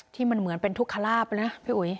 ที่มันเหมือนเป็นทุกขลาบนะพี่อุ๋ย